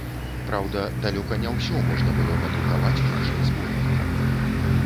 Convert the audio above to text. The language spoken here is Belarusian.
Праўда, далёка не ўсё можна было надрукаваць у нашых зборніках.